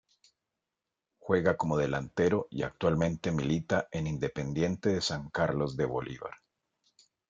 Juega como delantero y actualmente milita en Independiente de San Carlos de Bolívar.